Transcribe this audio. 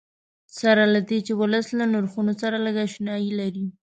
سره له دې چې ولس له نرخونو سره لږ اشنایي لري.